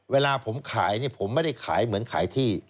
เวลาผมขายผมไม่ได้ขายเหมือนขายที่